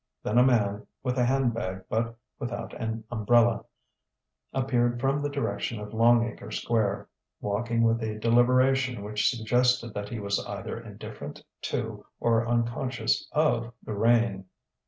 Then a man, with a handbag but without an umbrella, appeared from the direction of Longacre Square, walking with a deliberation which suggested that he was either indifferent to or unconscious of the rain.